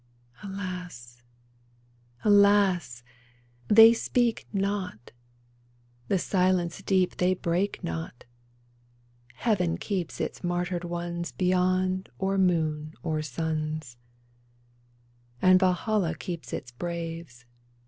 Alas, alas ! They speak not ! The silence deep they break not I Heaven keeps its martyred ones Beyond or moon or suns ; And Valhalla keeps its braves.